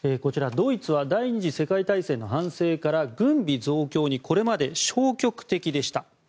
ドイツは第２次世界大戦の反省から、軍備増強にこれまで消極的でした。